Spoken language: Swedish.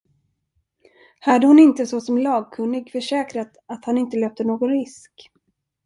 Hade hon inte såsom lagkunnig försäkrat att han inte löpte någon risk?